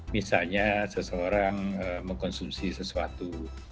misalnya seseorang mengkonsumsi sesuatu